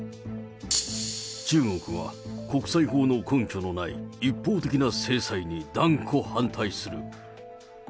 中国は国際法の根拠のない一方的な制裁に断固反対する。